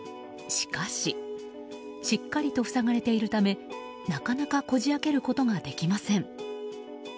しかししっかりと塞がれているためなかなかこじ開けることができません。